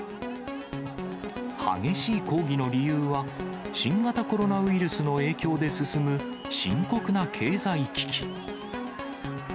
激しい抗議の理由は、新型コロナウイルスの影響で進む、深刻な経済危機。